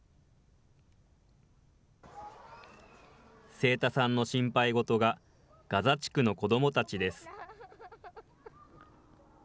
清田さんの心配事が、ガザ地区の子どもたちです。